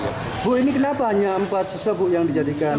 ibu ini kenapa hanya empat siswa bu yang dijadikan